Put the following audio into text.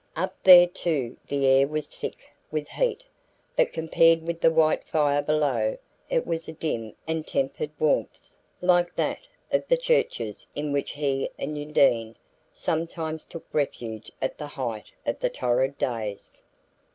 Up there too the air was thick with heat; but compared with the white fire below it was a dim and tempered warmth, like that of the churches in which he and Undine sometimes took refuge at the height of the torrid days.